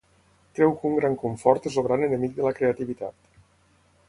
Creu que un gran confort és el gran enemic de la creativitat.